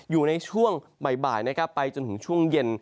อยู่ในช่วงใหม่บหายไปจนขึ้นช่วงเย็น